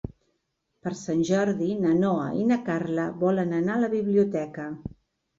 Per Sant Jordi na Noa i na Carla volen anar a la biblioteca.